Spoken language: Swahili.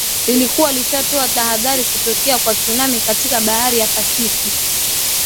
lilikuwa lishatoa tahadhari kutokea kwa tsunami katika bahari la pacific